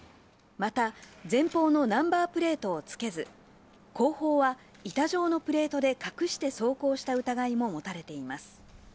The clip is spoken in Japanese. また、前方のナンバープレートをつけず、後方は板状のプレートで隠して走行した疑いも持たれています。